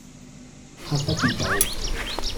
郝德傑道